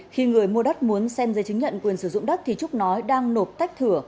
khi người mua đất muốn xem dây chứng nhận quyền sử dụng đất thì trúc nói đang nộp tách thửa